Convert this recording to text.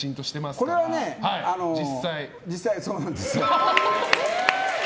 これは実際そうなんですよ。